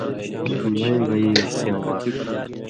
مَیں بئ اْےسېوں وات“۔